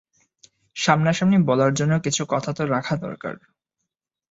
সামনাসামনি বলার জন্য কিছু কথা তো রাখা দরকার।